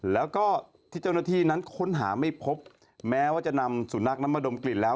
แล้วก็ที่เจ้าหน้าที่นั้นค้นหาไม่พบแม้ว่าจะนำสุนัขนั้นมาดมกลิ่นแล้ว